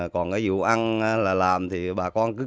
còn cái vụ ăn là làm thì bà con cứ